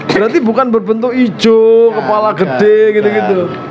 berarti bukan berbentuk hijau kepala gede gitu gitu